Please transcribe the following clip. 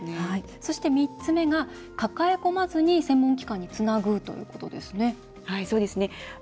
そして、３つ目が「抱え込まず専門機関につなぐ」ということですね。